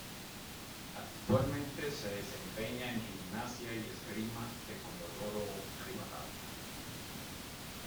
Actualmente se desempeña en Gimnasia y Esgrima de Comodoro Rivadavia.